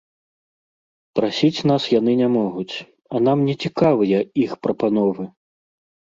Прасіць нас яны не могуць, а нам нецікавыя іх прапановы.